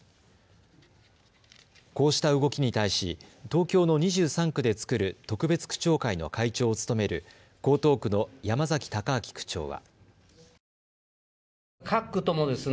こうした動きに対し東京の２３区で作る特別区長会の会長を務める江東区の山崎孝明区長は。